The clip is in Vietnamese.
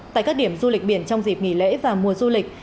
tại các điểm du lịch biển trong dịp nghỉ lễ và mùa du lịch